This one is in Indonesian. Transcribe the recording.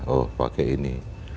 oh pakai ini